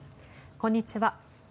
こんにちは。